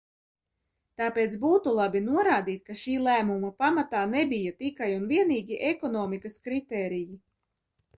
Tāpēc būtu labi norādīt, ka šī lēmuma pamatā nebija tikai un vienīgi ekonomikas kritēriji.